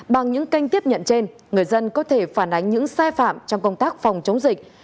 bằng những kênh tiếp nhận trên người dân có thể phản ánh những sai phạm trong công tác phòng chống dịch